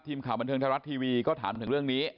ทีมข่าวบันเทิงไทยรัฐทีวีก็ถามถึงเรื่องนี้